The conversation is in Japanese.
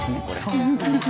そうですね。